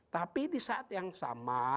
tapi di saat yang sama